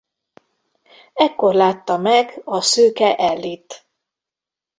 Ekkor látta meg a szőke Allie-t.